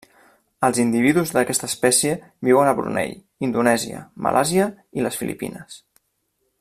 Els individus d'aquesta espècie viuen a Brunei, Indonèsia, Malàisia i les Filipines.